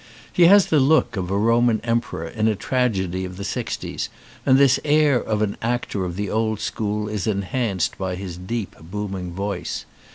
He has the look of a Roman Emperor in a tragedy of the sixties and this air of an actor of the old school is enhanced by his deep booming voice.